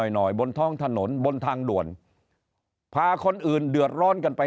หน่อยบนท้องถนนบนทางด่วนพาคนอื่นเดือดร้อนกันไป